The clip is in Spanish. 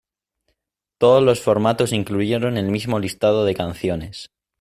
Todos los formatos incluyeron el mismo listado de canciones.